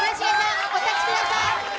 お立ちください。